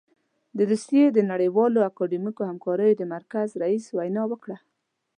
د روسيې د نړیوالو اکاډمیکو همکاریو د مرکز رییس وینا وکړه.